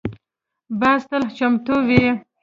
باز تل چمتو وي